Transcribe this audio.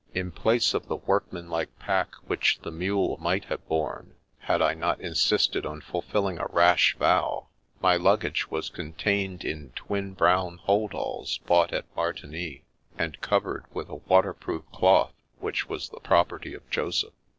In place of the workmanlike pack which the mule might have borne, had I not insisted on fulfilling a rash vow, my luggage was contained in twin brown hold alls bought at Martigny, and covered with a waterproof cloth which was the property of Joseph.